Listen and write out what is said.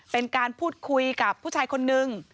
เป็นการพูดคุยกับผู้ชายคนนึง